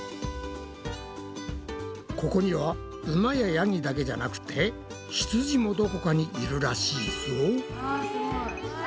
ここにはウマやヤギだけじゃなくてひつじもどこかにいるらしいぞ。